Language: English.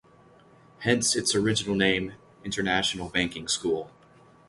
Hence its original name, International Banking School.